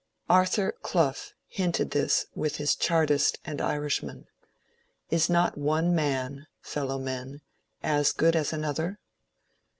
Arthur Clough hinted this with his Chartist and Irishman :^^ Is not one man, fellow men, as good as another